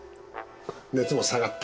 熱も下がった。